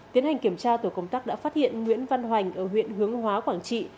tiến hành kiểm tra tổ công tác đã phát hiện nguyễn văn hoành ở huyện hướng hóa quảng trị